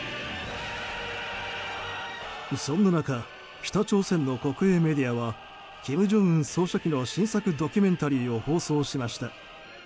そんな中北朝鮮の国営メディアは金正恩総書記の新作ドキュメンタリーを放送しました。